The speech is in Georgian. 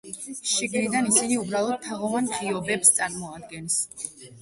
შიგნიდან ისინი უბრალოდ თაღოვან ღიობებს წარმოადგენს.